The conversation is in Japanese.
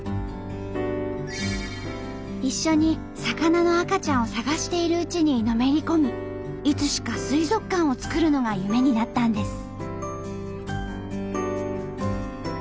一緒に魚の赤ちゃんを探しているうちにのめり込みいつしか水族館を作るのが夢になったんです。